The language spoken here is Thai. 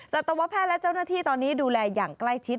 สัตวแพทย์และเจ้าหน้าที่ตอนนี้ดูแลอย่างใกล้ชิด